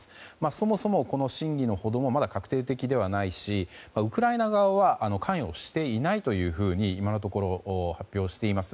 そもそも、真偽のほども確定的ではないしウクライナ側は関与していないというふうに今のところ、発表しています。